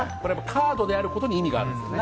カードであることに意味があるんですよね。